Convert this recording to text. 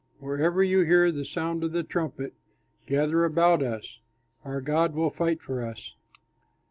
Wherever you hear the sound of the trumpet, gather about us; our God will fight for us."